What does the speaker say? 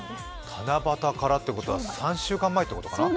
七夕からってことは３週間前からってことかな？